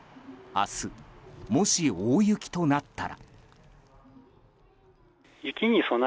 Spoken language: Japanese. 明日、もし大雪となったら。